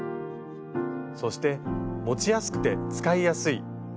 そして持ちやすくて使いやすい。